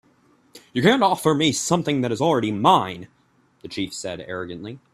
"You can't offer me something that is already mine," the chief said, arrogantly.